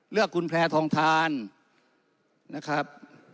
เลือกคุณแพร่ทองทานนะครับ